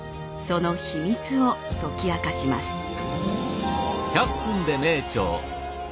その秘密を解き明かします。